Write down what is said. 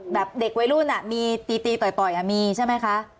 เด็กวัยรุ่นมีตีต่อยมีใช่ไหมคะ